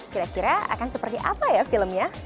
kira kira akan seperti apa ya filmnya